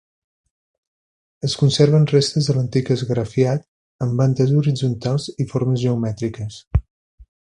Es conserven restes de l'antic esgrafiat amb bandes horitzontals i formes geomètriques.